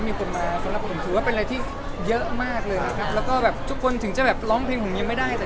ไม่เป็นละคนเป็นไรที่เยอะมากเลยนะครับแล้วก็แบบทุกคนถึงจะแบบร้อนที่หรือไม่ได้เลย